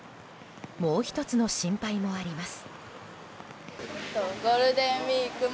もう１つの心配もあります。